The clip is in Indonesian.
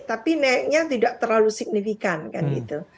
tapi naiknya tidak terlalu signifikan kan gitu